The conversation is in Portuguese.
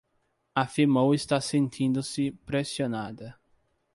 Afirmou estar sentindo-se pressionada